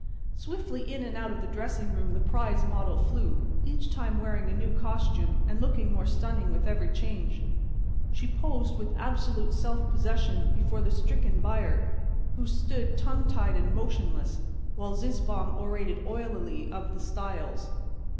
Swiftly in and out of the dressing room the prize model flew, each time wearing a new costume and looking more stunning with every change. She posed with absolute self possession before the stricken buyer, who stood, tongue tied and motionless, while Zizzbaum orated oilily of the styles.